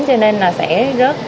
cho nên là sẽ rớt